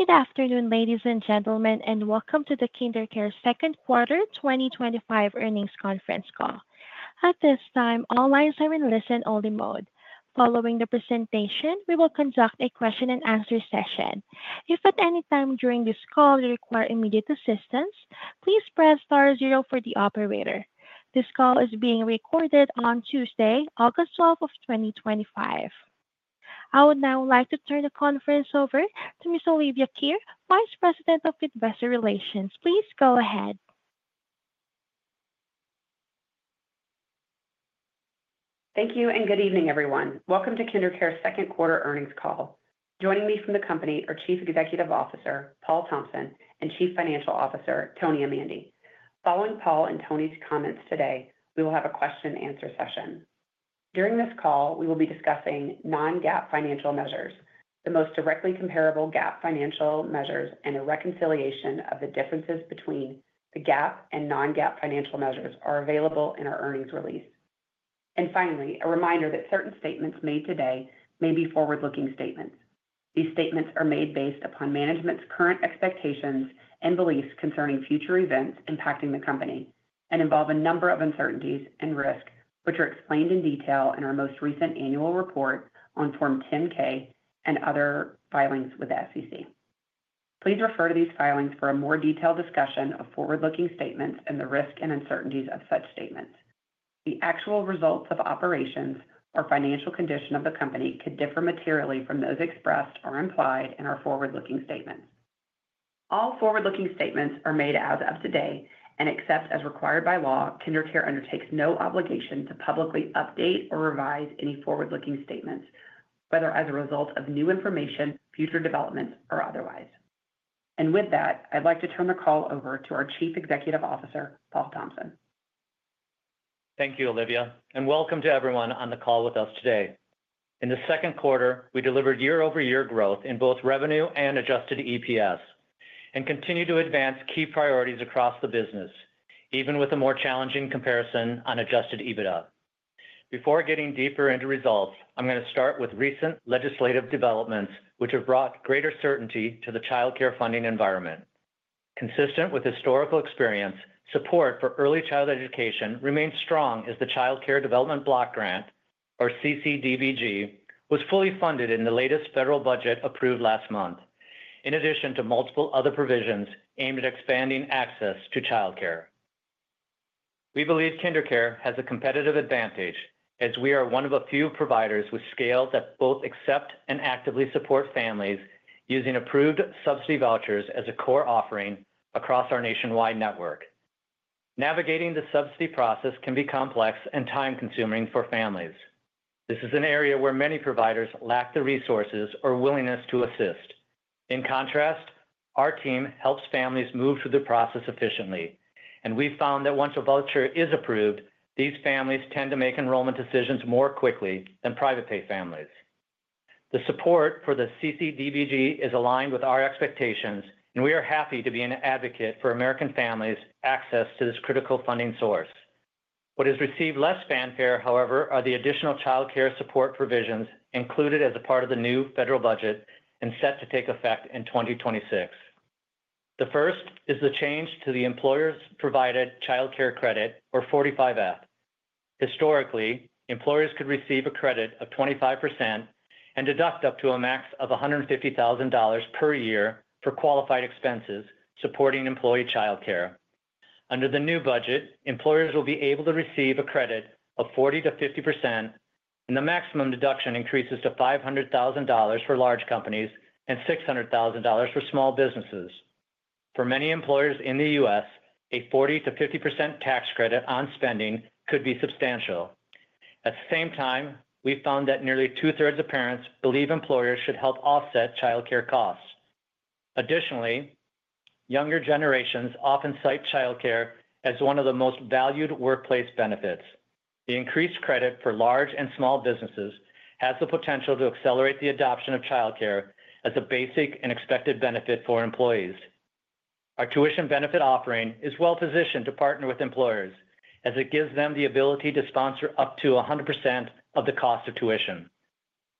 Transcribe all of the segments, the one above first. Good afternoon, ladies and gentlemen, and welcome to the KinderCare Second Quarter 2025 Earnings Conference Call. At this time, all lines are in listen-only mode. Following the presentation, we will conduct a question-and-answer session. If at any time during this call you require immediate assistance, please press star zero for the operator. This call is being recorded on Tuesday, August 12, 2025. I would now like to turn the conference over to Ms. Olivia Kirrer, Vice President of Investor Relations. Please go ahead. Thank you, and good evening, everyone. Welcome to KinderCare's Second Quarter Earnings Call. Joining me from the company are Chief Executive Officer, Paul Thompson, and Chief Financial Officer, Tony Amandi. Following Paul and Tony's comments today, we will have a question-and-answer session. During this call, we will be discussing non-GAAP financial measures. The most directly comparable GAAP financial measures and a reconciliation of the differences between the GAAP and non-GAAP financial measures are available in our earnings release. Finally, a reminder that certain statements made today may be forward-looking statements. These statements are made based upon management's current expectations and beliefs concerning future events impacting the company and involve a number of uncertainties and risks, which are explained in detail in our most recent annual report on Form 10-K and other filings with the SEC. Please refer to these filings for a more detailed discussion of forward-looking statements and the risks and uncertainties of such statements. The actual results of operations or financial condition of the company could differ materially from those expressed or implied in our forward-looking statements. All forward-looking statements are made as of today, and except as required by law, KinderCare Learning Companies undertakes no obligation to publicly update or revise any forward-looking statements, whether as a result of new information, future developments, or otherwise. With that, I'd like to turn the call over to our Chief Executive Officer, Paul Thompson. Thank you, Olivia, and welcome to everyone on the call with us today. In the second quarter, we delivered year-over-year growth in both revenue and adjusted EPS and continue to advance key priorities across the business, even with a more challenging comparison on adjusted EBITDA. Before getting deeper into results, I'm going to start with recent legislative developments, which have brought greater certainty to the childcare funding environment. Consistent with historical experience, support for early child education remains strong as the Child Care Development Block Grant, or CCDBG, was fully funded in the latest federal budget approved last month, in addition to multiple other provisions aimed at expanding access to childcare. We believe KinderCare has a competitive advantage as we are one of a few providers with scale that both accept and actively support families using approved subsidy vouchers as a core offering across our nationwide network. Navigating the subsidy process can be complex and time-consuming for families. This is an area where many providers lack the resources or willingness to assist. In contrast, our team helps families move through the process efficiently, and we've found that once a voucher is approved, these families tend to make enrollment decisions more quickly than private pay families. The support for the CCDBG is aligned with our expectations, and we are happy to be an advocate for American families' access to this critical funding source. What has received less fanfare, however, are the additional childcare support provisions included as a part of the new federal budget and set to take effect in 2026. The first is the change to the employer-provided childcare credit, or Section 45F. Historically, employers could receive a credit of 25% and deduct up to a max of $150,000 per year for qualified expenses supporting employee childcare. Under the new budget, employers will be able to receive a credit of 40% -50%, and the maximum deduction increases to $500,000 for large companies and $600,000 for small businesses. For many employers in the U.S., a 40%-50% tax credit on spending could be substantial. At the same time, we've found that nearly two-thirds of parents believe employers should help offset childcare costs. Additionally, younger generations often cite childcare as one of the most valued workplace benefits. The increased credit for large and small businesses has the potential to accelerate the adoption of childcare as a basic and expected benefit for employees. Our tuition benefit offering is well-positioned to partner with employers, as it gives them the ability to sponsor up to 100% of the cost of tuition.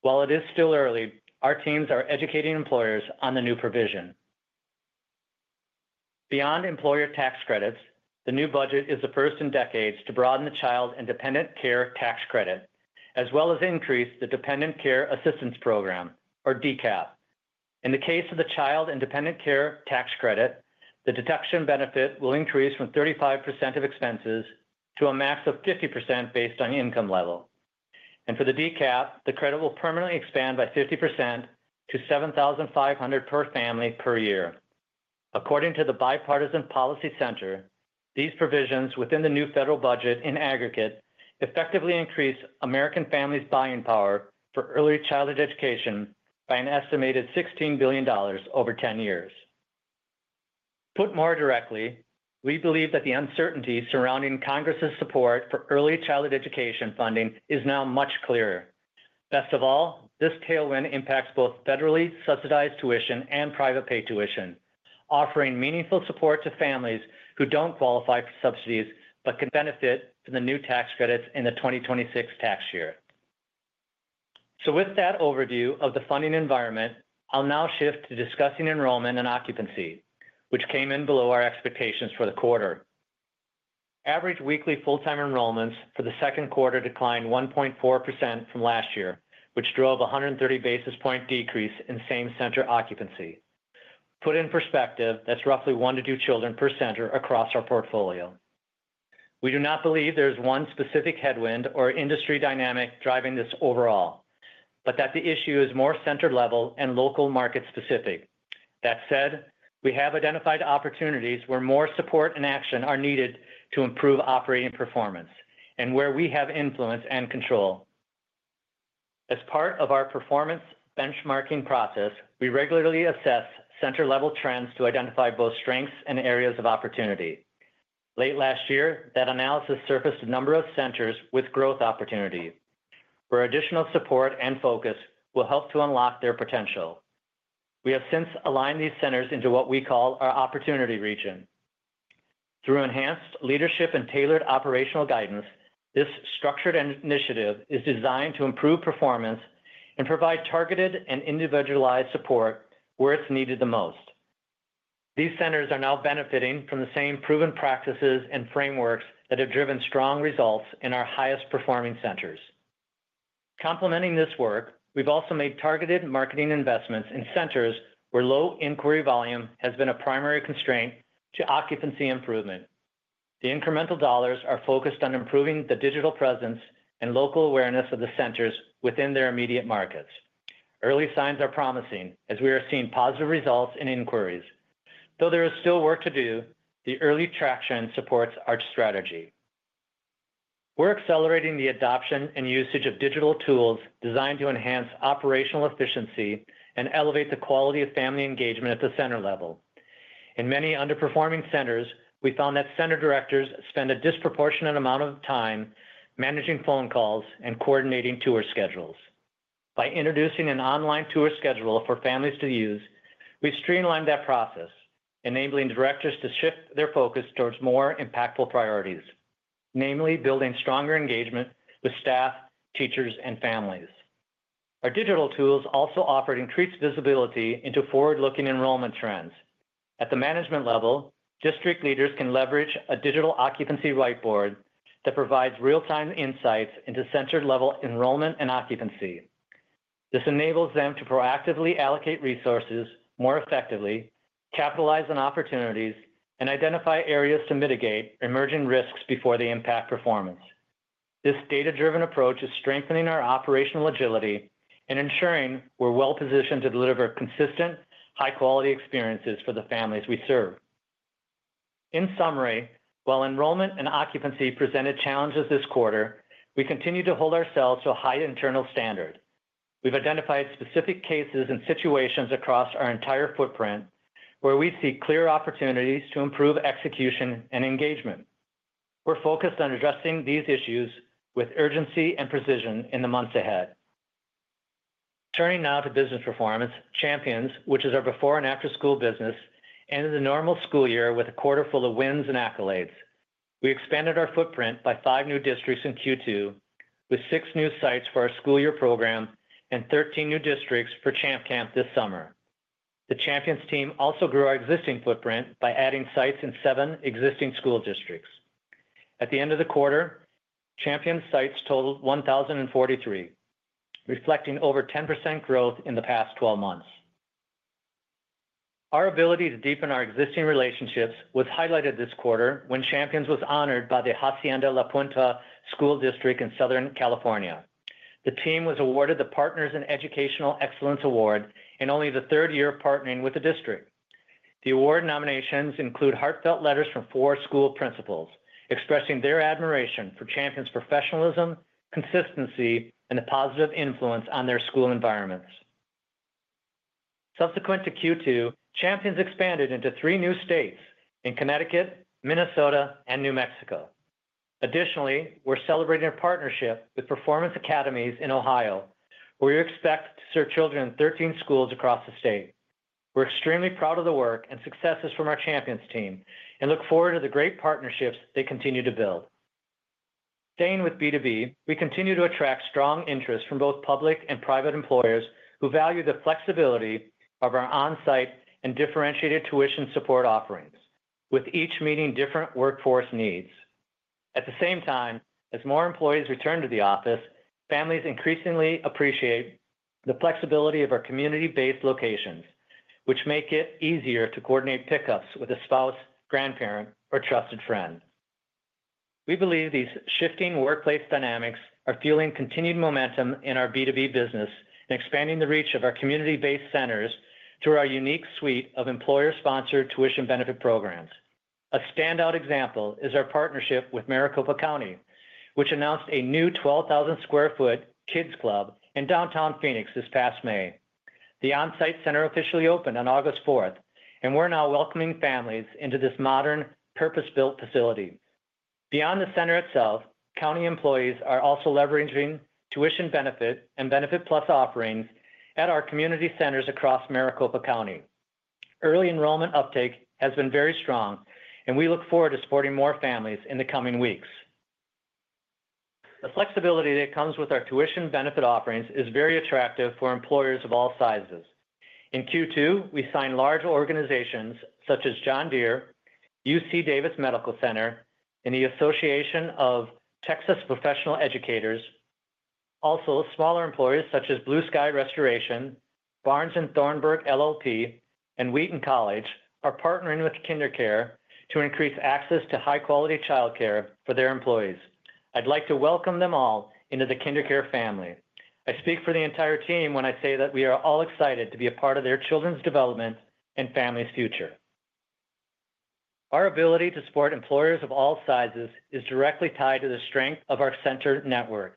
While it is still early, our teams are educating employers on the new provision. Beyond employer tax credits, the new budget is the first in decades to broaden the Child and Dependent Care Tax Credit, as well as increase the Dependent Care Assistance Program, or DCAP. In the case of the Child and Dependent Care Tax Credit, the deduction benefit will increase from 35% of expenses to a max of 50% based on income level. For the DCAP, the credit will permanently expand by 50% to $7,500 per family per year. According to the Bipartisan Policy Center, these provisions within the new federal budget in aggregate effectively increase American families' buying power for early childhood education by an estimated $16 billion over 10 years. Put more directly, we believe that the uncertainty surrounding Congress's support for early childhood education funding is now much clearer. Best of all, this tailwind impacts both federally subsidized tuition and private pay tuition, offering meaningful support to families who don't qualify for subsidies but can benefit from the new tax credits in the 2026 tax year. With that overview of the funding environment, I'll now shift to discussing enrollment and occupancy, which came in below our expectations for the quarter. Average weekly full-time enrollments for the second quarter declined 1.4% from last year, which drove a 130 basis point decrease in same-center occupancy. Put in perspective, that's roughly one to two children per center across our portfolio. We do not believe there is one specific headwind or industry dynamic driving this overall, but that the issue is more center-level and local-market specific. That said, we have identified opportunities where more support and action are needed to improve operating performance and where we have influence and control. As part of our performance benchmarking process, we regularly assess center-level trends to identify both strengths and areas of opportunity. Late last year, that analysis surfaced a number of centers with growth opportunities where additional support and focus will help to unlock their potential. We have since aligned these centers into what we call our Opportunity Region program. Through enhanced leadership and tailored operational guidance, this structured initiative is designed to improve performance and provide targeted and individualized support where it's needed the most. These centers are now benefiting from the same proven practices and frameworks that have driven strong results in our highest performing centers. Complementing this work, we've also made targeted marketing investments in centers where low inquiry volume has been a primary constraint to occupancy improvement. The incremental dollars are focused on improving the digital presence and local awareness of the centers within their immediate markets. Early signs are promising, as we are seeing positive results in inquiries. Though there is still work to do, the early traction supports our strategy. We're accelerating the adoption and usage of digital tools designed to enhance operational efficiency and elevate the quality of family engagement at the center level. In many underperforming centers, we found that Center Directors spend a disproportionate amount of time managing phone calls and coordinating tour schedules. By introducing an online tour schedule for families to use, we've streamlined that process, enabling Directors to shift their focus towards more impactful priorities, namely building stronger engagement with staff, teachers, and families. Our digital tools also offer increased visibility into forward-looking enrollment trends. At the management level, District Leaders can leverage a digital occupancy whiteboard that provides real-time insights into center-level enrollment and occupancy. This enables them to proactively allocate resources more effectively, capitalize on opportunities, and identify areas to mitigate emerging risks before they impact performance. This data-driven approach is strengthening our operational agility and ensuring we're well-positioned to deliver consistent, high-quality experiences for the families we serve. In summary, while enrollment and occupancy presented challenges this quarter, we continue to hold ourselves to a high internal standard. We've identified specific cases and situations across our entire footprint where we see clear opportunities to improve execution and engagement. We're focused on addressing these issues with urgency and precision in the months ahead. Turning now to business performance, Champions, which is our before- and after-school business, ended the normal school year with a quarter full of wins and accolades. We expanded our footprint by five new districts in Q2, with six new sites for our school year program and 13 new districts for Champ Camp this summer. The Champions team also grew our existing footprint by adding sites in seven existing school districts. At the end of the quarter, Champions sites totaled 1,043, reflecting over 10% growth in the past 12 months. Our ability to deepen our existing relationships was highlighted this quarter when Champions was honored by the Hacienda La Punta School District in Southern California. The team was awarded the Partners in Educational Excellence Award in only the third year of partnering with the district. The award nominations include heartfelt letters from four school principals expressing their admiration for Champions' professionalism, consistency, and the positive influence on their school environments. Subsequent to Q2, Champions expanded into three new states in Connecticut, Minnesota, and New Mexico. Additionally, we're celebrating a partnership with Performance Academies in Ohio, where we expect to serve children in 13 schools across the state. We're extremely proud of the work and successes from our Champions team and look forward to the great partnerships they continue to build. Staying with B2B, we continue to attract strong interest from both public and private employers who value the flexibility of our onsite and differentiated tuition support offerings, with each meeting different workforce needs. At the same time, as more employees return to the office, families increasingly appreciate the flexibility of our community-based locations, which make it easier to coordinate pickups with a spouse, grandparent, or trusted friend. We believe these shifting workplace dynamics are fueling continued momentum in our B2B business and expanding the reach of our community-based centers through our unique suite of employer-sponsored tuition benefit programs. A standout example is our partnership with Maricopa County, which announced a new 12,000 sq ft kids' club in downtown Phoenix this past May. The onsite center officially opened on August 4th, and we're now welcoming families into this modern, purpose-built facility. Beyond the center itself, County employees are also leveraging tuition benefit and Benefit Plus offerings at our community centers across Maricopa County. Early enrollment uptake has been very strong, and we look forward to supporting more families in the coming weeks. The flexibility that comes with our tuition benefit offerings is very attractive for employers of all sizes. In Q2, we signed large organizations such as John Deere, UC Davis Medical Center, and the Association of Texas Professional Educators. Also, smaller employers such as Blue Sky Restoration, Barnes and Thornburg LLP, and Wheaton College are partnering with KinderCare to increase access to high-quality childcare for their employees. I'd like to welcome them all into the KinderCare family. I speak for the entire team when I say that we are all excited to be a part of their children's development and families' future. Our ability to support employers of all sizes is directly tied to the strength of our center network.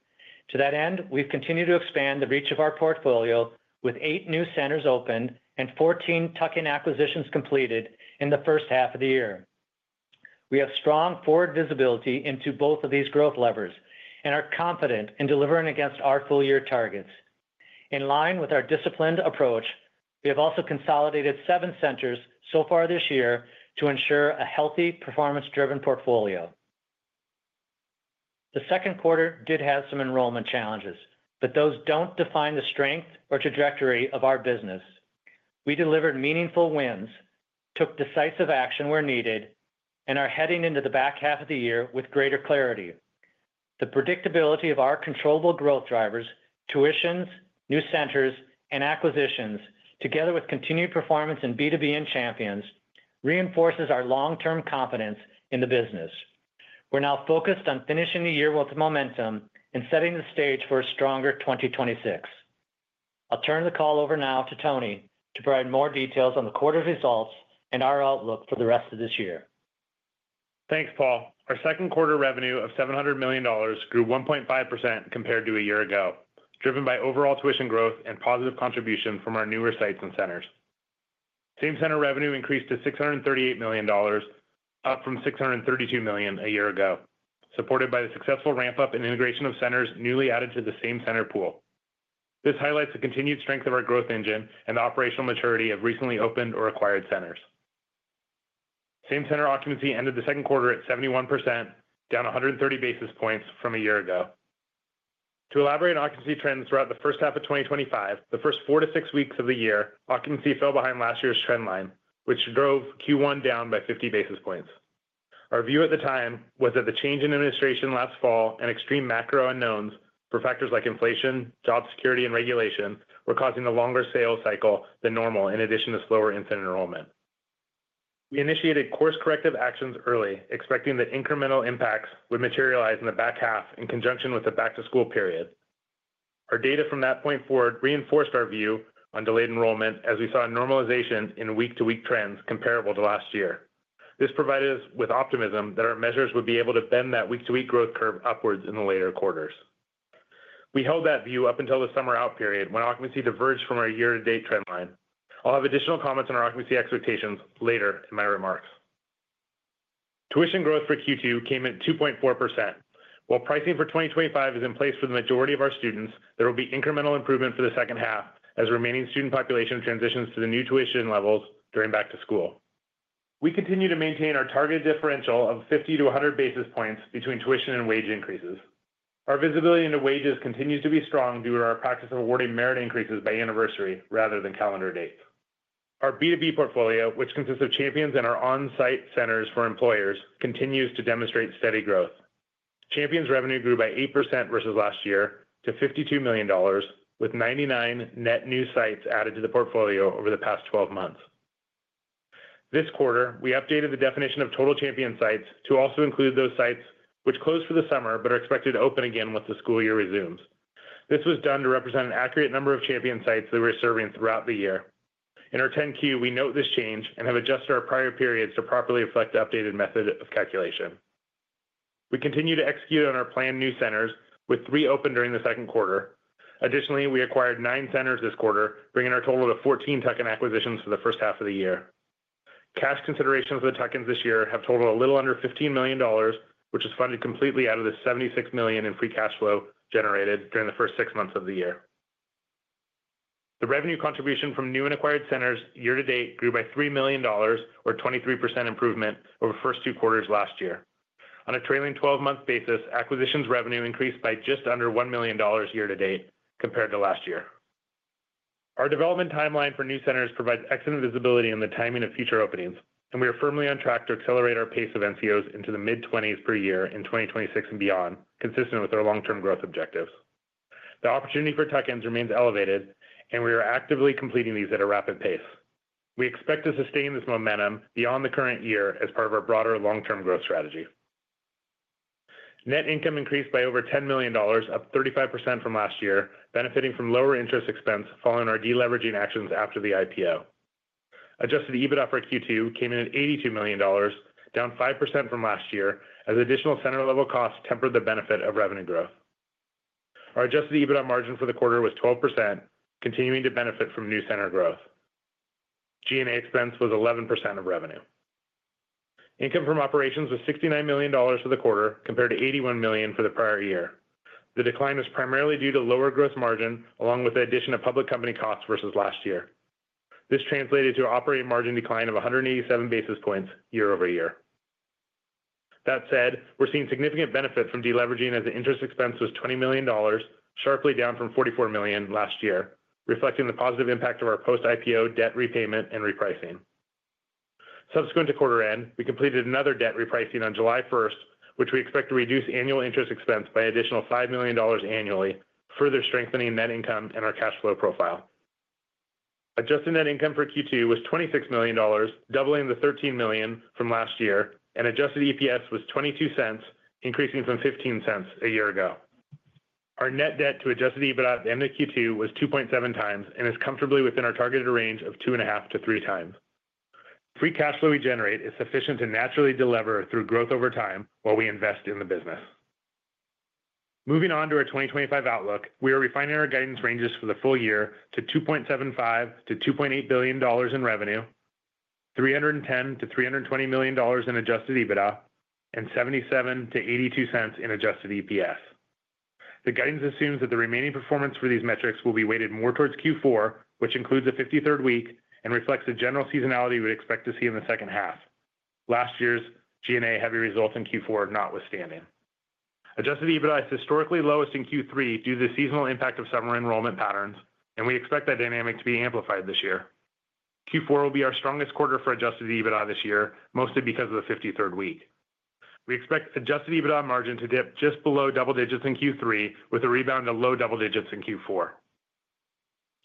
To that end, we've continued to expand the reach of our portfolio with eight new centers opened and 14 tuck-in acquisitions completed in the first half of the year. We have strong forward visibility into both of these growth levers and are confident in delivering against our full-year targets. In line with our disciplined approach, we have also consolidated seven centers so far this year to ensure a healthy, performance-driven portfolio. The second quarter did have some enrollment challenges, but those don't define the strength or trajectory of our business. We delivered meaningful wins, took decisive action where needed, and are heading into the back half of the year with greater clarity. The predictability of our controllable growth drivers, tuitions, new centers, and acquisitions, together with continued performance in B2B and Champions, reinforces our long-term confidence in the business. We're now focused on finishing the year with momentum and setting the stage for a stronger 2026. I'll turn the call over now to Tony to provide more details on the quarter's results and our outlook for the rest of this year. Thanks, Paul. Our second quarter revenue of $700 million grew 1.5% compared to a year ago, driven by overall tuition growth and positive contribution from our newer sites and centers. Same center revenue increased to $638 million, up from $632 million a year ago, supported by the successful ramp-up and integration of centers newly added to the same center pool. This highlights the continued strength of our growth engine and the operational maturity of recently opened or acquired centers. Same center occupancy ended the second quarter at 71%, down 130 basis points from a year ago. To elaborate on occupancy trends throughout the first half of 2025, the first four to six weeks of the year, occupancy fell behind last year's trend line, which drove Q1 down by 50 basis points. Our view at the time was that the change in administration last fall and extreme macro unknowns for factors like inflation, job security, and regulation were causing a longer sales cycle than normal, in addition to slower incident enrollment. We initiated course corrective actions early, expecting that incremental impacts would materialize in the back half in conjunction with the back-to-school period. Our data from that point forward reinforced our view on delayed enrollment, as we saw a normalization in week-to-week trends comparable to last year. This provided us with optimism that our measures would be able to bend that week-to-week growth curve upwards in the later quarters. We held that view up until the summer out period when occupancy diverged from our year-to-date trend line. I'll have additional comments on our occupancy expectations later in my remarks. Tuition growth for Q2 came at 2.4%. While pricing for 2025 is in place for the majority of our students, there will be incremental improvement for the second half as the remaining student population transitions to the new tuition levels during back-to-school. We continue to maintain our targeted differential of 50-100 basis points between tuition and wage increases. Our visibility into wages continues to be strong due to our practice of awarding merit increases by anniversary rather than calendar date. Our B2B portfolio, which consists of Champions and our onsite centers for employers, continues to demonstrate steady growth. Champions revenue grew by 8% versus last year to $52 million, with 99 net new sites added to the portfolio over the past 12 months. This quarter, we updated the definition of total Champions sites to also include those sites which closed for the summer but are expected to open again once the school year resumes. This was done to represent an accurate number of Champions sites that we're serving throughout the year. In our 10-Q, we note this change and have adjusted our prior periods to properly reflect the updated method of calculation. We continue to execute on our planned new centers, with three open during the second quarter. Additionally, we acquired nine centers this quarter, bringing our total to 14 tuck-in acquisitions for the first half of the year. Cash considerations for the tuck-ins this year have totaled a little under $15 million, which is funded completely out of the $76 million in free cash flow generated during the first six months of the year. The revenue contribution from new and acquired centers year-to-date grew by $3 million, or a 23% improvement over the first two quarters last year. On a trailing 12-month basis, acquisitions revenue increased by just under $1 million year-to-date compared to last year. Our development timeline for new centers provides excellent visibility in the timing of future openings, and we are firmly on track to accelerate our pace of NCOs into the mid-20s per year in 2026 and beyond, consistent with our long-term growth objectives. The opportunity for tuck-ins remains elevated, and we are actively completing these at a rapid pace. We expect to sustain this momentum beyond the current year as part of our broader long-term growth strategy. Net income increased by over $10 million, up 35% from last year, benefiting from lower interest expense following our deleveraging actions after the IPO. Adjusted EBITDA for Q2 came in at $82 million, down 5% from last year, as additional center-level costs tempered the benefit of revenue growth. Our adjusted EBITDA margin for the quarter was 12%, continuing to benefit from new center growth. G&A expense was 11% of revenue. Income from operations was $69 million for the quarter, compared to $81 million for the prior year. The decline is primarily due to lower gross margin, along with the addition of public company costs versus last year. This translated to an operating margin decline of 187 basis points year over year. That said, we're seeing significant benefit from deleveraging, as the interest expense was $20 million, sharply down from $44 million last year, reflecting the positive impact of our post-IPO debt repayment and repricing. Subsequent to quarter-end, we completed another debt repricing on July 1, which we expect to reduce annual interest expense by an additional $5 million annually, further strengthening net income and our cash flow profile. Adjusted net income for Q2 was $26 million, doubling the $13 million from last year, and adjusted EPS was $0.22, increasing from $0.15 a year ago. Our net debt to adjusted EBITDA at the end of Q2 was 2.7 times and is comfortably within our targeted range of 2.5x to 3x. Free cash flow we generate is sufficient to naturally delever through growth over time while we invest in the business. Moving on to our 2025 outlook, we are refining our guidance ranges for the full year to $2.75 billion-$2.8 billion in revenue, $310million-$320 million in adjusted EBITDA, and $0.77-$0.82 in adjusted EPS. The guidance assumes that the remaining performance for these metrics will be weighted more towards Q4, which includes a 53rd week and reflects the general seasonality we expect to see in the second half, last year's G&A heavy result in Q4 notwithstanding. Adjusted EBITDA is historically lowest in Q3 due to the seasonal impact of summer enrollment patterns, and we expect that dynamic to be amplified this year. Q4 will be our strongest quarter for adjusted EBITDA this year, mostly because of the 53rd week. We expect adjusted EBITDA margin to dip just below double digits in Q3, with a rebound to low double digits in Q4.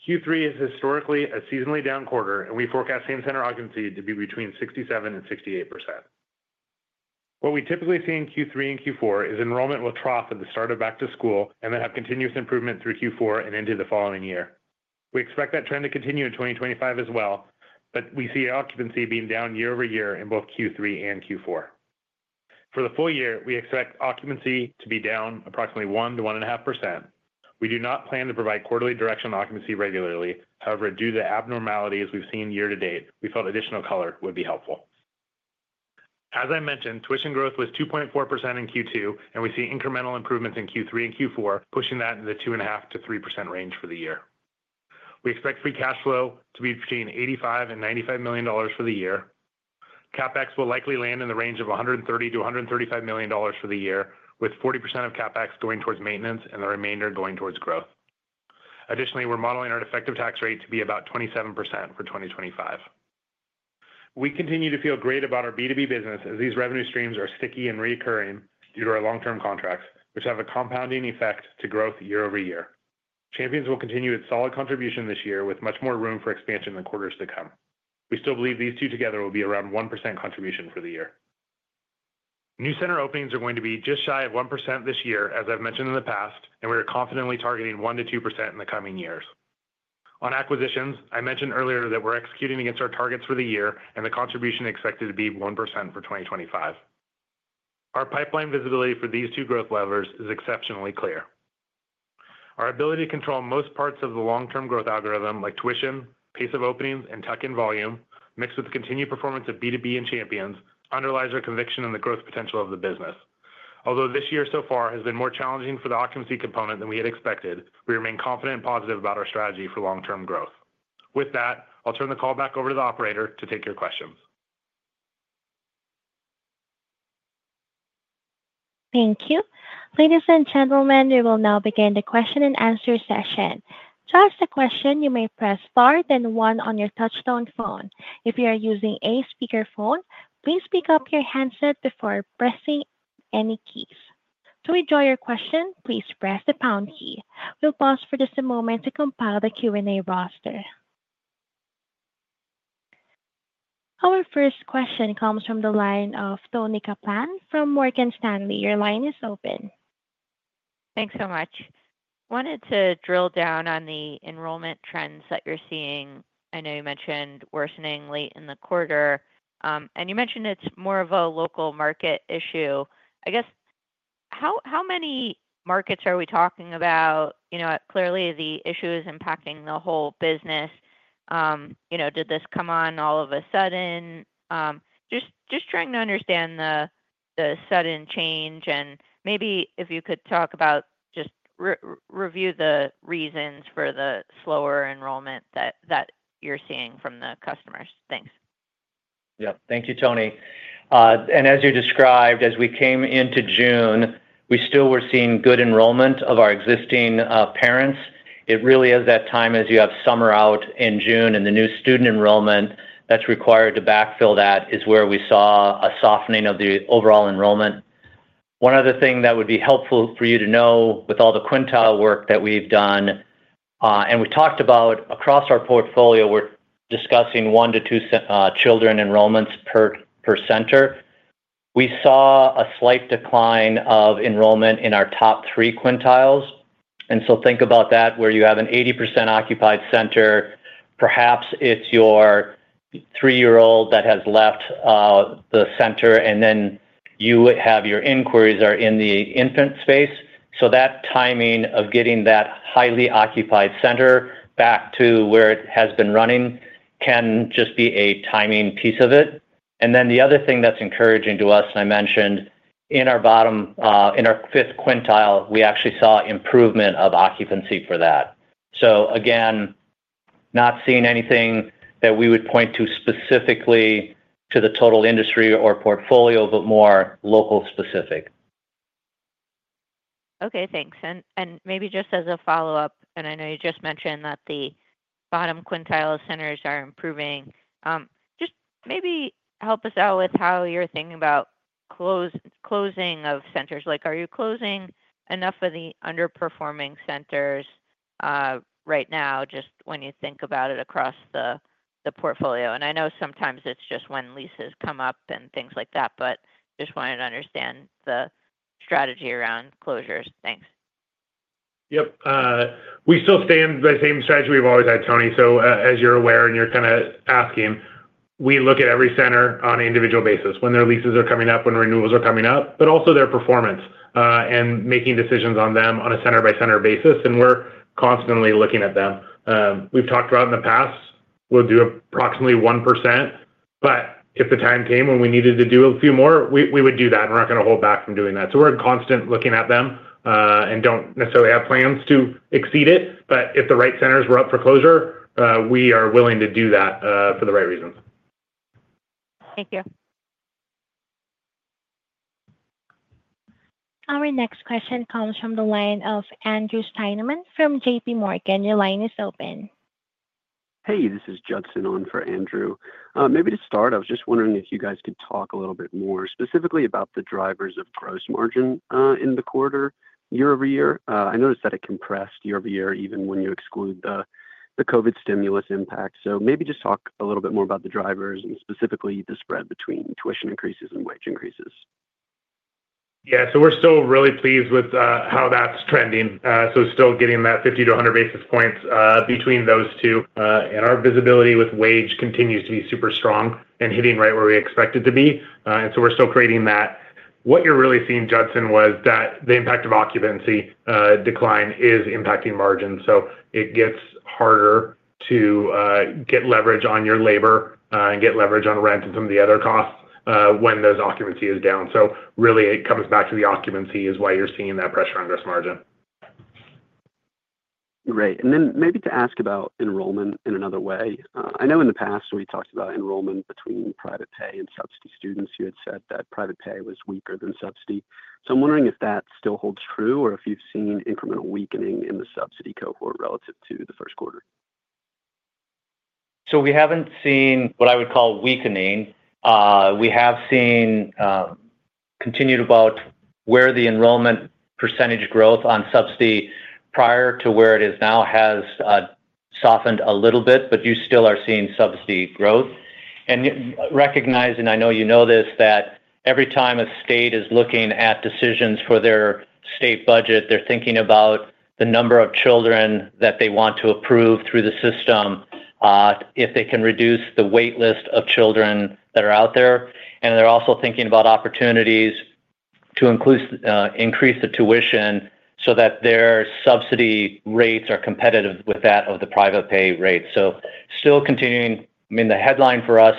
Q3 is historically a seasonally down quarter, and we forecast same center occupancy to be between 67% and 68%. What we typically see in Q3 and Q4 is enrollment will trough at the start of back-to-school and then have continuous improvement through Q4 and into the following year. We expect that trend to continue in 2025 as well, but we see occupancy being down year over year in both Q3 and Q4. For the full year, we expect occupancy to be down approximately 1%-1.5%. We do not plan to provide quarterly direction on occupancy regularly; however, due to the abnormalities we've seen year to date, we felt additional color would be helpful. As I mentioned, tuition growth was 2.4% in Q2, and we see incremental improvements in Q3 and Q4, pushing that into the 2.5%-3% range for the year. We expect free cash flow to be between $85 million and $95 million for the year. CapEx will likely land in the range of $130 million-$135 million for the year, with 40% of CapEx going towards maintenance and the remainder going towards growth. Additionally, we're modeling our effective tax rate to be about 27% for 2025. We continue to feel great about our B2B business, as these revenue streams are sticky and recurring due to our long-term contracts, which have a compounding effect to growth year over year. Champions will continue its solid contribution this year, with much more room for expansion in the quarters to come. We still believe these two together will be around 1% contribution for the year. New center openings are going to be just shy of 1% this year, as I've mentioned in the past, and we are confidently targeting 1%-2% in the coming years. On acquisitions, I mentioned earlier that we're executing against our targets for the year, and the contribution expected to be 1% for 2025. Our pipeline visibility for these two growth levers is exceptionally clear. Our ability to control most parts of the long-term growth algorithm, like tuition, pace of openings, and tuck-in volume, mixed with the continued performance of B2B and Champions, underlies our conviction in the growth potential of the business. Although this year so far has been more challenging for the occupancy component than we had expected, we remain confident and positive about our strategy for long-term growth. With that, I'll turn the call back over to the operator to take your questions. Thank you. Ladies and gentlemen, we will now begin the question-and-answer session. To ask a question, you may press star then one on your touch-tone phone. If you are using a speaker phone, please pick up your headset before pressing any keys. To withdraw your question, please press the pound key. We'll pause for just a moment to compile the Q&A roster. Our first question comes from the line of Toni Kaplan from Morgan Stanley. Your line is open. Thanks so much. I wanted to drill down on the enrollment trends that you're seeing. I know you mentioned worsening late in the quarter, and you mentioned it's more of a local market issue. I guess, how many markets are we talking about? Clearly the issue is impacting the whole business. Did this come on all of a sudden? Just trying to understand the sudden change, and maybe if you could talk about just review the reasons for the slower enrollment that you're seeing from the customers. Thanks. Thank you, Toni. As you described, as we came into June, we still were seeing good enrollment of our existing parents. It really is that time as you have summer out in June and the new student enrollment that's required to backfill that is where we saw a softening of the overall enrollment. One other thing that would be helpful for you to know with all the quintile work that we've done, and we've talked about across our portfolio, we're discussing one to two children enrollments per center. We saw a slight decline of enrollment in our top three quintiles. Think about that where you have an 80% occupied center. Perhaps it's your three-year-old that has left the center, and then you have your inquiries are in the infant space. That timing of getting that highly occupied center back to where it has been running can just be a timing piece of it. The other thing that's encouraging to us, and I mentioned in our bottom, in our fifth quintile, we actually saw improvement of occupancy for that. Again, not seeing anything that we would point to specifically to the total industry or portfolio, but more local specific. Okay, thanks. Maybe just as a follow-up, I know you just mentioned that the bottom quintile centers are improving. Just maybe help us out with how you're thinking about closing of centers. Are you closing enough of the underperforming centers right now, just when you think about it across the portfolio? I know sometimes it's just when leases come up and things like that, but just wanted to understand the strategy around closures. Thanks. Yep. We still stand by the same strategy we've always had, Toni. As you're aware and you're kind of asking, we look at every center on an individual basis when their leases are coming up, when renewals are coming up, but also their performance and making decisions on them on a center-by-center basis. We're constantly looking at them. We've talked about in the past, we'll do approximately 1%, but if the time came when we needed to do a few more, we would do that. We're not going to hold back from doing that. We're constantly looking at them and don't necessarily have plans to exceed it. If the right centers were up for closure, we are willing to do that for the right reasons. Thank you. Our next question comes from the line of Andrew Steinerman from JPMorgan. Your line is open. Hey, this is Judson on for Andrew. Maybe to start, I was just wondering if you guys could talk a little bit more specifically about the drivers of gross margin in the quarter, year over year. I noticed that it compressed year-over-year, even when you exclude the COVID stimulus impact. Maybe just talk a little bit more about the drivers and specifically the spread between tuition increases and wage increases. Yeah, we're still really pleased with how that's trending. Still getting that 50-100 basis points between those two. Our visibility with wage continues to be super strong and hitting right where we expect it to be. We're still creating that. What you're really seeing, Judson, is that the impact of occupancy decline is impacting margins. It gets harder to get leverage on your labor and get leverage on rent and some of the other costs when occupancy is down. It comes back to the occupancy, which is why you're seeing that pressure on gross margin. Right. Maybe to ask about enrollment in another way, I know in the past we talked about enrollment between private pay and subsidy students. You had said that private pay was weaker than subsidy. I'm wondering if that still holds true or if you've seen incremental weakening in the subsidy cohort relative to the first quarter. We haven't seen what I would call weakening. We have seen continued about where the enrollment percentage growth on subsidy prior to where it is now has softened a little bit, but you still are seeing subsidy growth. Recognizing, I know you know this, that every time a state is looking at decisions for their state budget, they're thinking about the number of children that they want to approve through the system, if they can reduce the waitlist of children that are out there. They're also thinking about opportunities to increase the tuition so that their subsidy rates are competitive with that of the private pay rate. Still continuing, I mean, the headline for us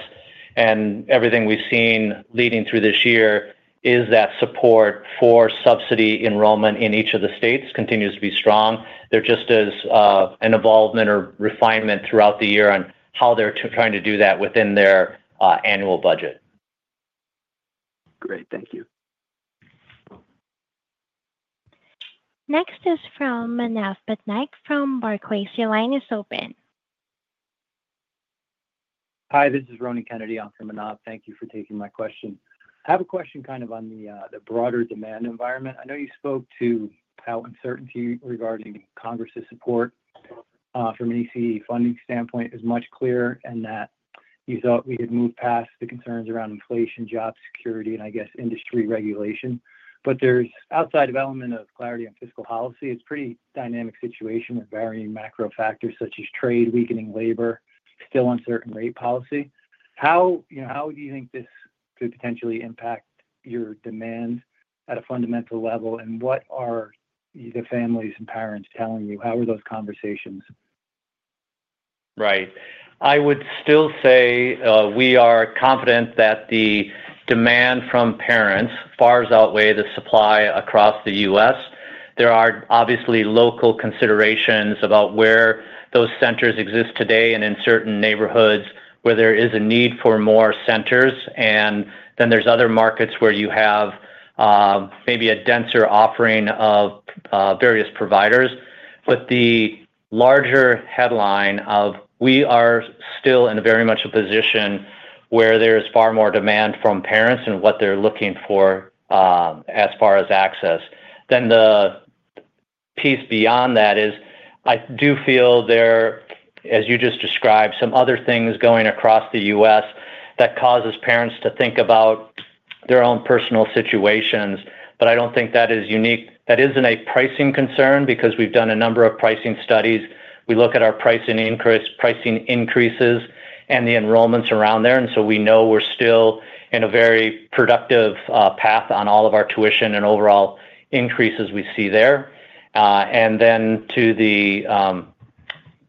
and everything we've seen leading through this year is that support for subsidy enrollment in each of the states continues to be strong. There just is an evolvement or refinement throughout the year on how they're trying to do that within their annual budget. Great, thank you. Next is from Manav Patnaik from Barclays. Your line is open. Hi, this is Ronan Kennedy from Manav. Thank you for taking my question. I have a question kind of on the broader demand environment. I know you spoke to how uncertainty regarding Congress's support from an ECE funding standpoint is much clearer and that you thought we could move past the concerns around inflation, job security, and I guess industry regulation. There's an outside element of clarity on fiscal policy. It's a pretty dynamic situation with varying macro factors such as trade, weakening labor, still uncertain rate policy. How do you think this could potentially impact your demand at a fundamental level and what are the families and parents telling you? How are those conversations? Right. I would still say we are confident that the demand from parents far outweighs the supply across the U.S. There are obviously local considerations about where those centers exist today and in certain neighborhoods where there is a need for more centers. There are other markets where you have maybe a denser offering of various providers. The larger headline is we are still very much in a position where there's far more demand from parents and what they're looking for as far as access. The piece beyond that is I do feel there, as you just described, are some other things going across the U.S. that cause parents to think about their own personal situations. I don't think that is unique. That isn't a pricing concern because we've done a number of pricing studies. We look at our pricing increases and the enrollments around there, and so we know we're still in a very productive path on all of our tuition and overall increases we see there. To the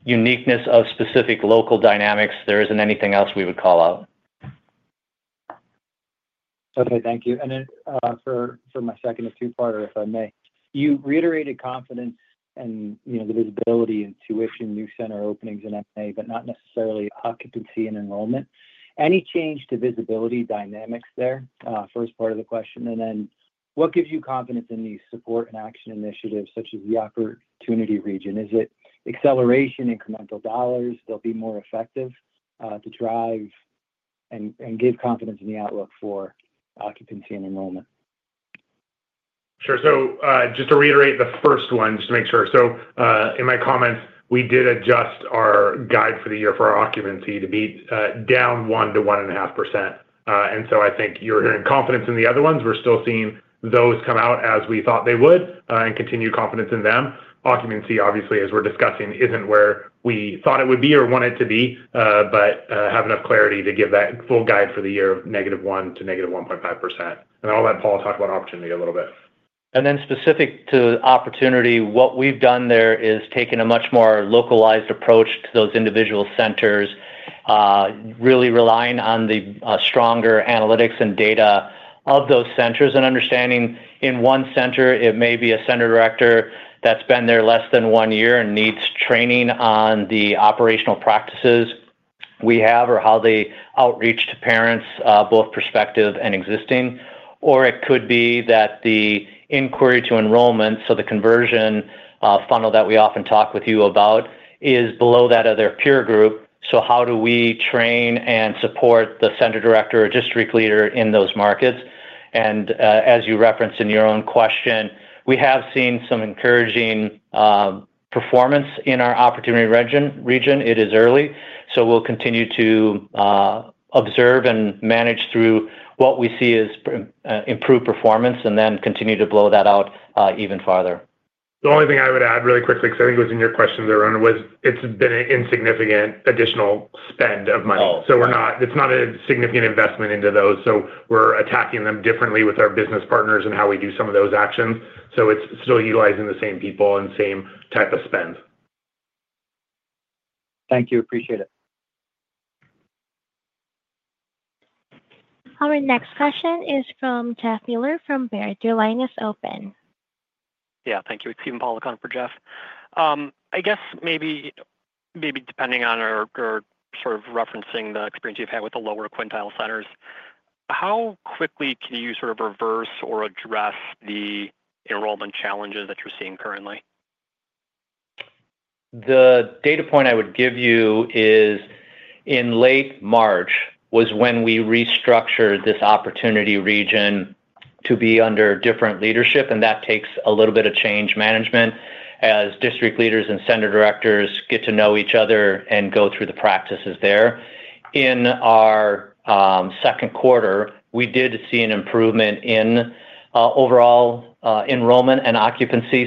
uniqueness of specific local dynamics, there isn't anything else we would call out. Okay, thank you. For my second, a two-parter, if I may. You reiterated confidence and the visibility in tuition, new center openings, and M&A, but not necessarily occupancy and enrollment. Any change to visibility dynamics there? First part of the question. What gives you confidence in the support and action initiatives such as the Opportunity Region? Is it acceleration, incremental dollars? Will they be more effective to drive and give confidence in the outlook for occupancy and enrollment? Sure. Just to reiterate the first one, just to make sure. In my comments, we did adjust our guide for the year for our occupancy to be down 1%-1.5%. I think you're hearing confidence in the other ones. We're still seeing those come out as we thought they would and continue confidence in them. Occupancy, obviously, as we're discussing, isn't where we thought it would be or want it to be, but have enough clarity to give that full guide for the year of -1% to -1.5%. I'll let Paul talk about opportunity a little bit. Specific to Opportunity, what we've done there is taken a much more localized approach to those individual centers, really relying on the stronger analytics and data of those centers and understanding in one center it may be a Center Director that's been there less than one year and needs training on the operational practices we have or how they outreach to parents, both prospective and existing. It could be that the inquiry to enrollment, so the conversion funnel that we often talk with you about, is below that of their peer group. How do we train and support the Center Director or District Leader in those markets? As you referenced in your own question, we have seen some encouraging performance in our Opportunity Region. It is early. We will continue to observe and manage through what we see as improved performance and then continue to blow that out even farther. The only thing I would add really quickly, because I think it was in your questions, Arun, was it's been an insignificant additional spend of money. It's not a significant investment into those. We're attacking them differently with our business partners and how we do some of those actions. It's still utilizing the same people and the same type of spend. Thank you. Appreciate it. Our next question is from Jeff Meuler from Baird. Your line is open. Yeah, thank you. It's Steven Pawlak in for Jeff. I guess maybe depending on or sort of referencing the experience you've had with the lower quintile centers, how quickly can you sort of reverse or address the enrollment challenges that you're seeing currently? The data point I would give you is in late March was when we restructured this Opportunity Region to be under different leadership, and that takes a little bit of change management as district leaders and center directors get to know each other and go through the practices there. In our second quarter, we did see an improvement in overall enrollment and occupancy.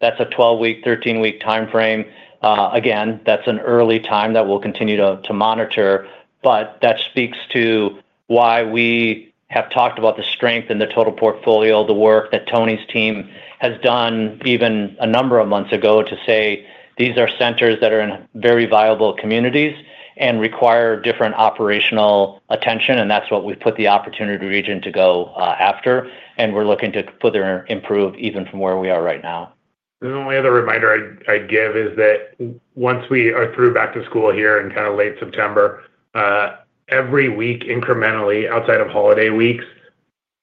That's a 12-week, 13-week timeframe. Again, that's an early time that we'll continue to monitor, but that speaks to why we have talked about the strength in the total portfolio, the work that Tony's team has done even a number of months ago to say these are centers that are in very viable communities and require different operational attention, and that's what we've put the Opportunity Region to go after, and we're looking to further improve even from where we are right now. The only other reminder I'd give is that once we are through back to school here in kind of late September, every week incrementally outside of holiday weeks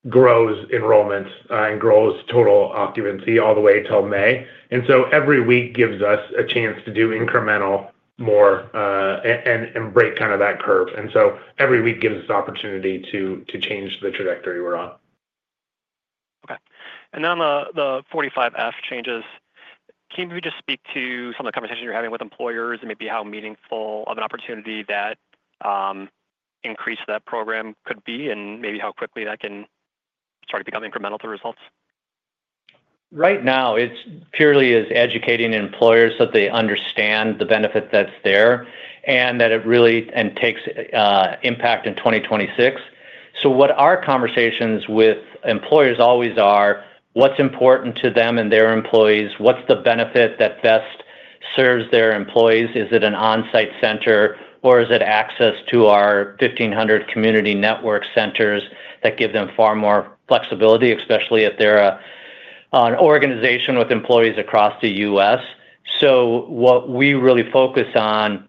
grows enrollments and grows total occupancy all the way till May. Every week gives us a chance to do incremental more and break kind of that curve. Every week gives us the opportunity to change the trajectory we're on. [And] the 45F changes, can you maybe just speak to some of the conversations you're having with employers and maybe how meaningful of an opportunity that increase to that program could be and maybe how quickly that can start to become incremental to results? Right now, it's purely about educating employers so that they understand the benefit that's there and that it really takes impact in 2026. Our conversations with employers always are, what's important to them and their employees? What's the benefit that best serves their employees? Is it an onsite center or is it access to our 1,500 community network centers that give them far more flexibility, especially if they're an organization with employees across the U.S.? We really focus on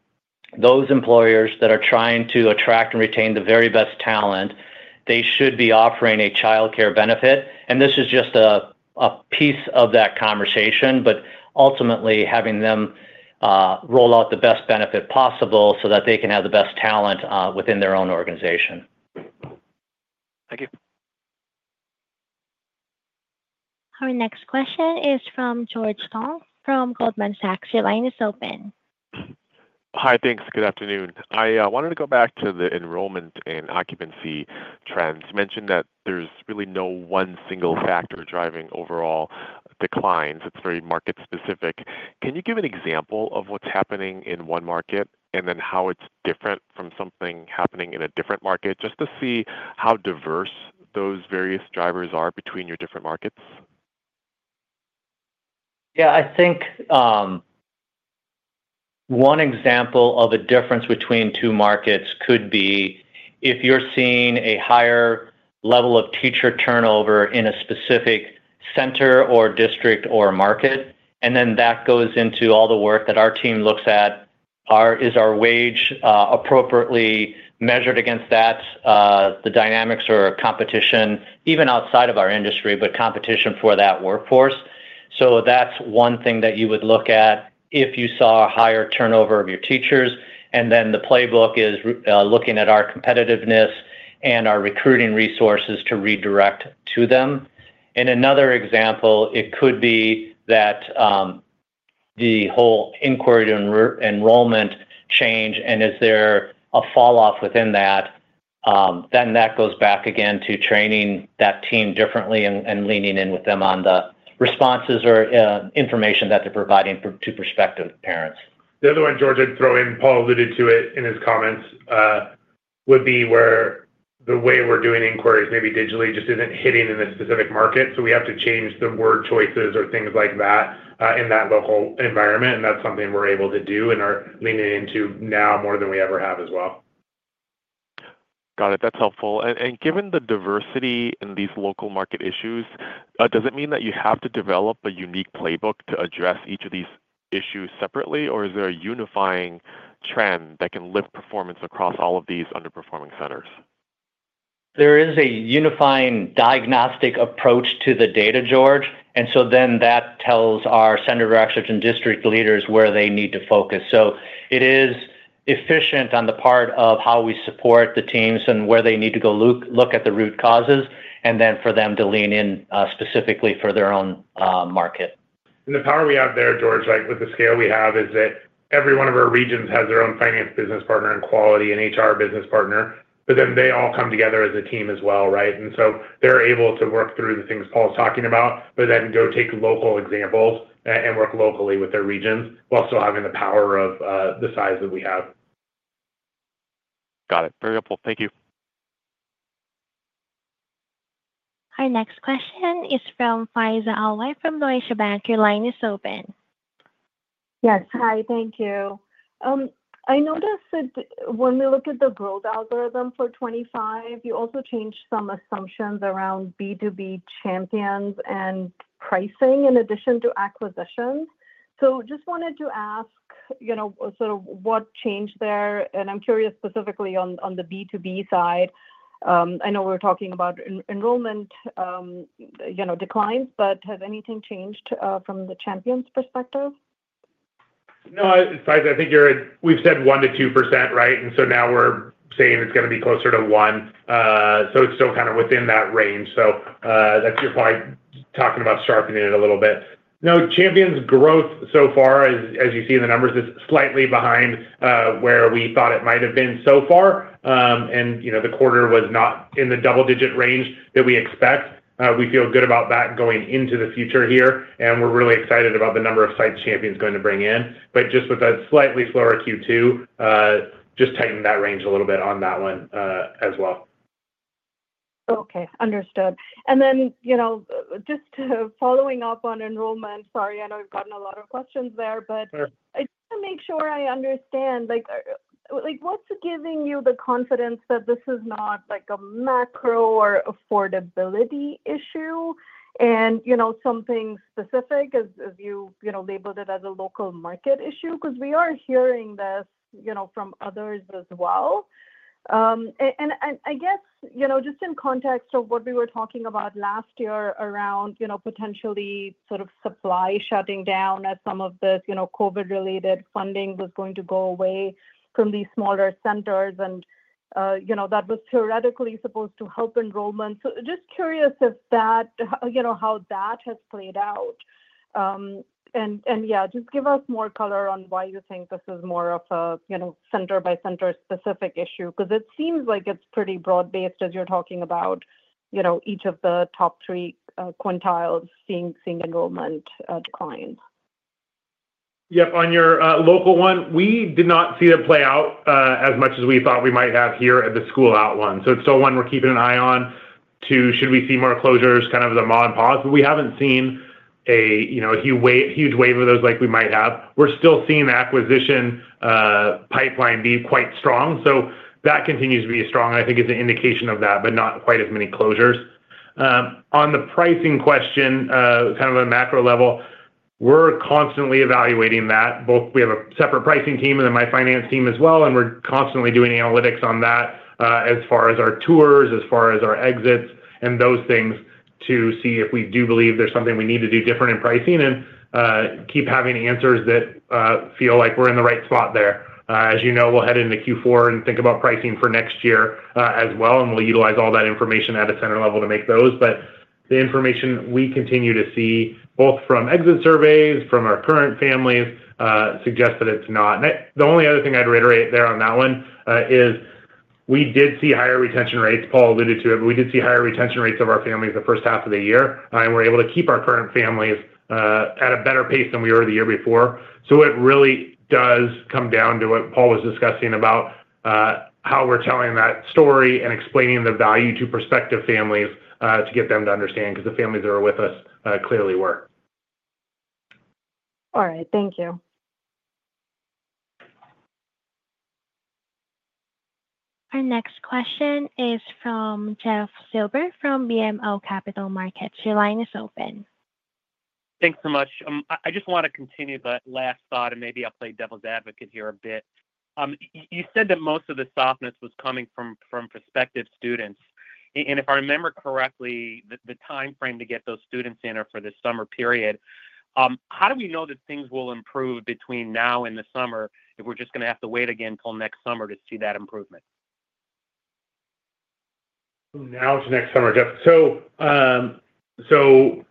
those employers that are trying to attract and retain the very best talent. They should be offering a childcare benefit. This is just a piece of that conversation, but ultimately having them roll out the best benefit possible so that they can have the best talent within their own organization. Thank you. Our next question is from George Tong from Goldman Sachs. Your line is open. Hi, thanks. Good afternoon. I wanted to go back to the enrollment and occupancy trends. You mentioned that there's really no one single factor driving overall declines. It's very market-specific. Can you give an example of what's happening in one market and then how it's different from something happening in a different market, just to see how diverse those various drivers are between your different markets? Yeah, I think one example of a difference between two markets could be if you're seeing a higher level of teacher turnover in a specific center or district or market, and that goes into all the work that our team looks at. Is our wage appropriately measured against that? The dynamics or competition, even outside of our industry, but competition for that workforce. That's one thing that you would look at if you saw a higher turnover of your teachers. The playbook is looking at our competitiveness and our recruiting resources to redirect to them. In another example, it could be that the whole inquiry to enrollment change, and is there a falloff within that? That goes back again to training that team differently and leaning in with them on the responses or information that they're providing to prospective parents. The other one, George, I'd throw in, Paul alluded to it in his comments, would be where the way we're doing inquiries, maybe digitally, just isn't hitting in the specific market. We have to change some word choices or things like that in that local environment. That's something we're able to do and are leaning into now more than we ever have as well. Got it. That's helpful. Given the diversity in these local market issues, does it mean that you have to develop a unique playbook to address each of these issues separately, or is there a unifying trend that can lift performance across all of these underperforming centers? There is a unifying diagnostic approach to the data, George. That tells our center directors and district leaders where they need to focus. It is efficient on the part of how we support the teams and where they need to go look at the root causes, and for them to lean in specifically for their own market. The power we have there, George, with the scale we have, is that every one of our regions has their own Finance Business Partner and Quality and HR Business Partner, but then they all come together as a team as well. They're able to work through the things Paul's talking about, then go take local examples and work locally with their regions while still having the power of the size that we have. Got it. Very helpful. Thank you. Our next question is from Faiza Alwy from Deutsche Bank. Your line is open. Yes, hi, thank you. I noticed that when we looked at the growth algorithm for 2025, you also changed some assumptions around B2B, Champions, and pricing in addition to acquisitions. I just wanted to ask, you know, sort of what changed there? I'm curious specifically on the B2B side. I know we're talking about enrollment declines, but has anything changed from the Champions perspective? No, Faiza, I think you're in, we've said 1%-2%, right? Now we're saying it's going to be closer to 1%. It's still kind of within that range. That's your point, talking about sharpening it a little bit. No, Champions' growth so far, as you see in the numbers, is slightly behind where we thought it might have been so far. The quarter was not in the double-digit range that we expect. We feel good about that going into the future here. We're really excited about the number of sites Champions is going to bring in, but just with a slightly slower Q2, we just tighten that range a little bit on that one as well. Okay, understood. Just following up on enrollment, sorry, I know we've gotten a lot of questions there, but I just want to make sure I understand, what's giving you the confidence that this is not like a macro or affordability issue and something specific as you labeled it as a local market issue? We are hearing this from others as well. I guess just in context of what we were talking about last year around potentially sort of supply shutting down as some of this COVID-related funding was going to go away from these smaller centers, that was theoretically supposed to help enrollment. Just curious if that, how that has played out. Give us more color on why you think this is more of a center-by-center specific issue. It seems like it's pretty broad-based as you're talking about each of the top three quintiles seeing enrollment decline. Yep, on your local one, we did not see it play out as much as we thought we might have here at the school out one. It's still one we're keeping an eye on to see if we should see more closures, kind of the ma and pas. We haven't seen a huge wave of those like we might have. We're still seeing the acquisition pipeline be quite strong. That continues to be strong, and I think it's an indication of that, but not quite as many closures. On the pricing question, kind of a macro level, we're constantly evaluating that. We have a separate pricing team and then my finance team as well. We're constantly doing analytics on that as far as our tours, as far as our exits, and those things to see if we do believe there's something we need to do different in pricing and keep having answers that feel like we're in the right spot there. As you know, we'll head into Q4 and think about pricing for next year as well. We'll utilize all that information at a center level to make those. The information we continue to see, both from exit surveys and from our current families, suggests that it's not. The only other thing I'd reiterate there on that one is we did see higher retention rates. Paul alluded to it, but we did see higher retention rates of our families the first half of the year. We were able to keep our current families at a better pace than we were the year before. It really does come down to what Paul was discussing about how we're telling that story and explaining the value to prospective families to get them to understand because the families that are with us clearly were. All right, thank you. Our next question is from Jeff Silber from BMO Capital Markets. Your line is open. Thanks so much. I just want to continue the last thought, and maybe I'll play devil's advocate here a bit. You said that most of the softness was coming from prospective students. If I remember correctly, the timeframe to get those students in is for the summer period. How do we know that things will improve between now and the summer if we're just going to have to wait again till next summer to see that improvement? From now to next summer, Jeff.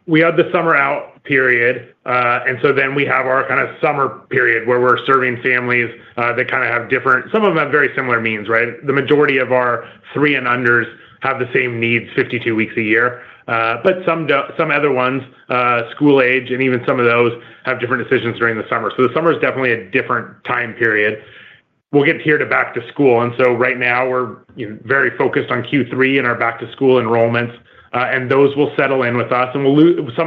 We have the summer out period, and then we have our kind of summer period where we're serving families that kind of have different, some of them have very similar needs, right? The majority of our three and unders have the same needs 52 weeks a year, but some other ones, school age, and even some of those have different decisions during the summer. The summer is definitely a different time period. We'll get here to back to school. Right now we're very focused on Q3 and our back-to-school enrollments, and those will settle in with us. Some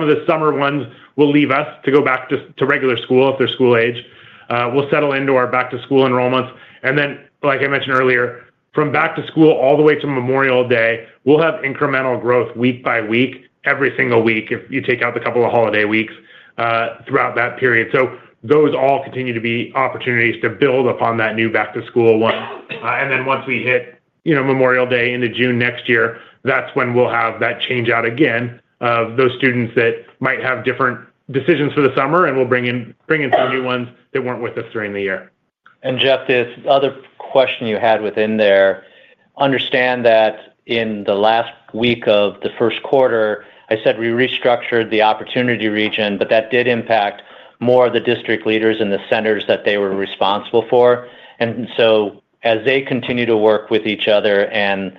of the summer ones will leave us to go back to regular school if they're school age. We'll settle into our back-to-school enrollments, and then, like I mentioned earlier, from back to school all the way to Memorial Day, we'll have incremental growth week by week, every single week, if you take out the couple of holiday weeks throughout that period. Those all continue to be opportunities to build upon that new back-to-school one. Once we hit Memorial Day into June next year, that's when we'll have that change out again of those students that might have different decisions for the summer, and we'll bring in some new ones that weren't with us during the year. Jeff, this other question you had within there, understand that in the last week of the first quarter, I said we restructured the Opportunity Region, but that did impact more of the district leaders and the centers that they were responsible for. As they continue to work with each other and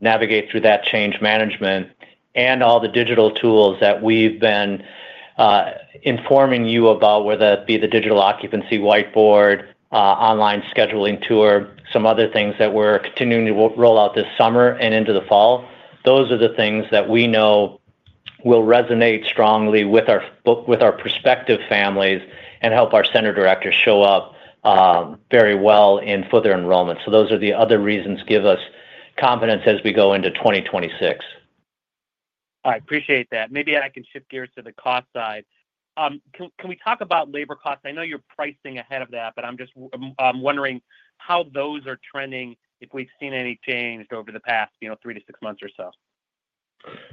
navigate through that change management and all the digital tools that we've been informing you about, whether that be the digital occupancy whiteboard, online scheduling tour, or some other things that we're continuing to roll out this summer and into the fall, those are the things that we know will resonate strongly with our prospective families and help our center directors show up very well in further enrollment. Those are the other reasons to give us confidence as we go into 2026. All right, appreciate that. Maybe I can shift gears to the cost side. Can we talk about labor costs? I know you're pricing ahead of that, but I'm just wondering how those are trending if we've seen any change over the past three to six months or so.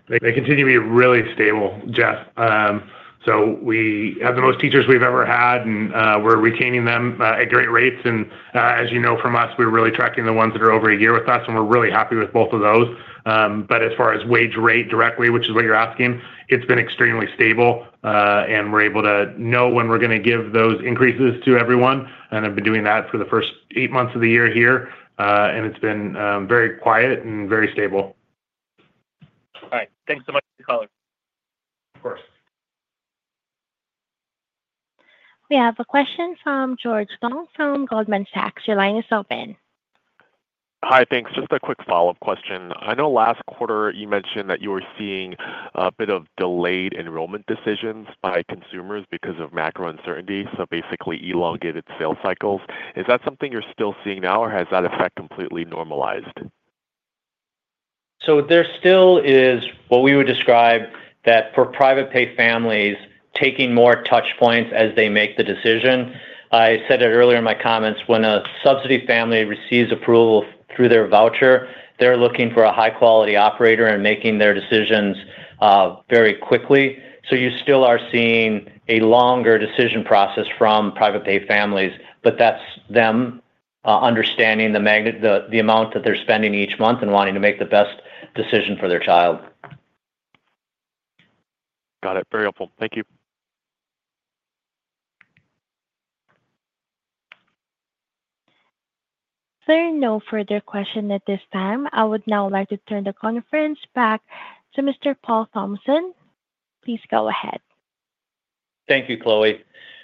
They continue to be really stable, Jeff. We have the most teachers we've ever had, and we're retaining them at great rates. As you know from us, we're really tracking the ones that are over a year with us, and we're really happy with both of those. As far as wage rate directly, which is what you're asking, it's been extremely stable, and we're able to know when we're going to give those increases to everyone. I've been doing that for the first eight months of the year here, and it's been very quiet and very stable. All right, thanks so much for the call. Of course. We have a question from George Tong from Goldman Sachs. Your line is open. Hi, thanks. Just a quick follow-up question. I know last quarter you mentioned that you were seeing a bit of delayed enrollment decisions by consumers because of macro uncertainty, basically elongated sales cycles. Is that something you're still seeing now, or has that effect completely normalized? There still is what we would describe for private pay families taking more touch points as they make the decision. I said it earlier in my comments, when a subsidy family receives approval through their voucher, they're looking for a high-quality operator and making their decisions very quickly. You still are seeing a longer decision process from private pay families, but that's them understanding the amount that they're spending each month and wanting to make the best decision for their child. Got it. Very helpful. Thank you. There are no further questions at this time. I would now like to turn the conference back to Mr. Paul Thompson. Please go ahead. Thank you, Chloe.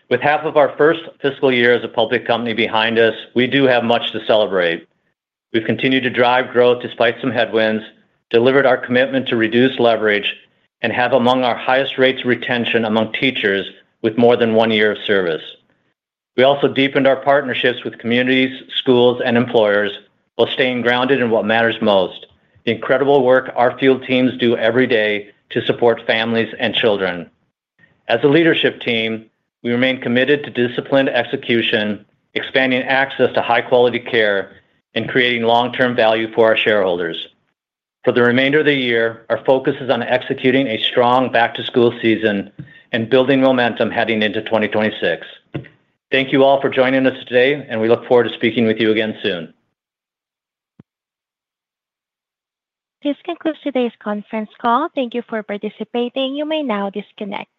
With half of our first fiscal year as a public company behind us, we do have much to celebrate. We've continued to drive growth despite some headwinds, delivered our commitment to reduce leverage, and have among our highest rates of retention among teachers with more than one year of service. We also deepened our partnerships with communities, schools, and employers while staying grounded in what matters most: the incredible work our field teams do every day to support families and children. As a leadership team, we remain committed to disciplined execution, expanding access to high-quality care, and creating long-term value for our shareholders. For the remainder of the year, our focus is on executing a strong back-to-school season and building momentum heading into 2026. Thank you all for joining us today, and we look forward to speaking with you again soon. This concludes today's conference call. Thank you for participating. You may now disconnect.